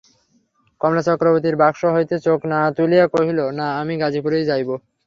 কমলা চক্রবর্তীর বাক্স হইতে চোখ না তুলিয়া কহিল, না, আমি গাজিপুরেই যাইব।